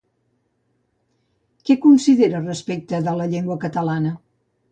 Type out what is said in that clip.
Què considera respecte de la llengua catalana?